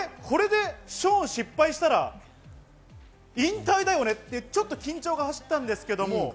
これで、ショーン失敗したら引退だよね？ってちょっと緊張が走ったんですけど。